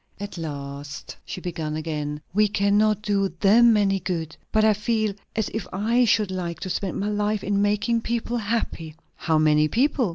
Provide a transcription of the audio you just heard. At last she began again. "We cannot do them any good. But I feel as if I should like to spend my life in making people happy." "How many people?"